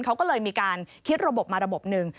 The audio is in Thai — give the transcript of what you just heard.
เขาก็เลยมีการคิดระบบมาระบบหนึ่ง